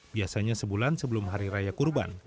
biasanya sebulan sebelum hari raya kurban